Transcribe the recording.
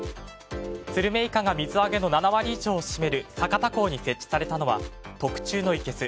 スルメイカが水揚げの７割以上を占める酒田港に設置されたのは特注のいけす。